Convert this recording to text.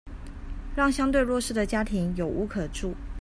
讓相對弱勢的家庭有屋可住